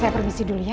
saya permisi dulu ya